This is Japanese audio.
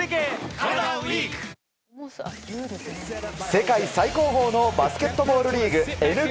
世界最高峰のバスケットボールリーグ、ＮＢＡ。